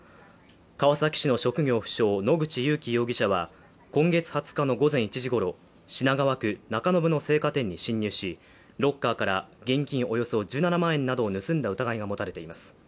川崎市の職業不詳・野口勇樹容疑者は、今月２０日の午前１時ごろ、品川区中延の青果店に侵入し、ロッカーから現金およそ１７万円などを盗んだ疑いが持たれています。